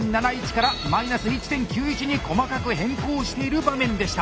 からー１．９１に細かく変更している場面でした。